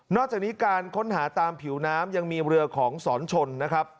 จากนี้การค้นหาตามผิวน้ำยังมีเรือของสอนชนนะครับ